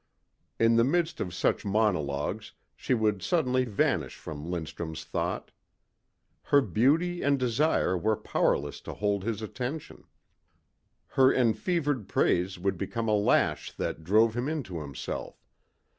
In the midst of such monologues she would suddenly vanish from Lindstrum's thought. Her beauty and desire were powerless to hold his attention. Her enfevered praise would become a lash that drove him into himself.